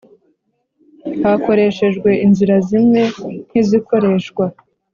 Hakoreshejwe inzira zimwe nk izikoreshwa